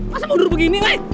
masa mundur begini weh